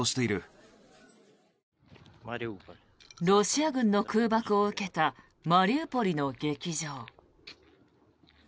ロシア軍の空爆を受けたマリウポリの劇場。